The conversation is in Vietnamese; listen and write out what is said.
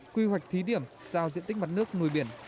quy hoạch thí điểm giao diện tích mặt nước nuôi biển